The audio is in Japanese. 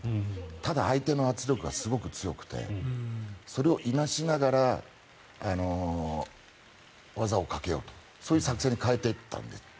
ただ、相手の圧力がすごく強くてそれをいなしながら技をかけようとそういう作戦に変えていったんです。